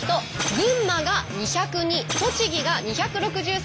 群馬が２０２栃木が２６３。